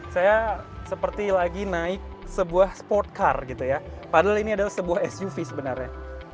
saya seperti lagi naik sebuah sport car gitu ya padahal ini adalah sebuah suv sebenarnya